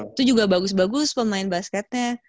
itu juga bagus bagus pemain basketnya